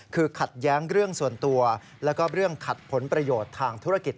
คือขัดแย้งเรื่องส่วนตัวแล้วก็เรื่องขัดผลประโยชน์ทางธุรกิจ